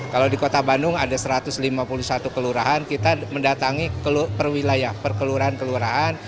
kalau di kota bandung ada satu ratus lima puluh satu kelurahan kita mendatangi perwilayah perkeluaran kelurahan